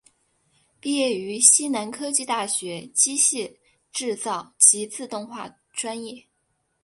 毕业于西南科技大学机械制造及自动化专业。